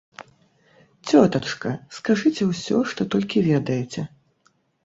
Цётачка, скажыце ўсё, што толькі ведаеце.